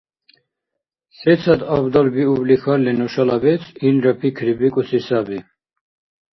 Сецад абдал биубли хьалли нушала бецӀ, илра пикрибикӀуси саби.